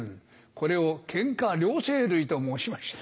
これをケンカ両生類と申しまして。